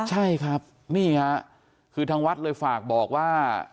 ใช่ครับนี่ค่ะคือทางวัดเลยฝากบอกว่า